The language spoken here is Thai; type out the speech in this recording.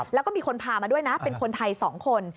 แล้วก็มีคนพามาด้วยนะเป็นคนไทย๒คน